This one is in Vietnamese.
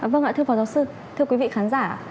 vâng ạ thưa phó giáo sư thưa quý vị khán giả